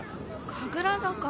神楽坂。